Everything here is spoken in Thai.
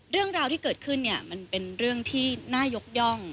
เรื่องราวที่เกิดขึ้นเนี่ยมันเป็นเรื่องที่น่ายกย่อง